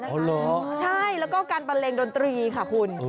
ใช่แล้วก็การปัลเลงดนตรีค่ะคุณ